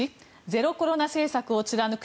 ゼロコロナ政策を貫く